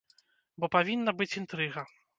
Бо павінна быць інтрыга.